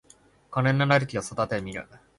金のなる木を育ててみる